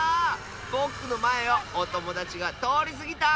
ぼくのまえをおともだちがとおりすぎた！